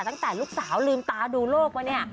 ตั้งแต่ลูกสาวลืมตาดูโลกมาเนี่ย